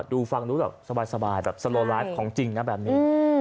ดูฟังรู้แบบสบายแบบสโลไลฟ์ของจริงนะแบบนี้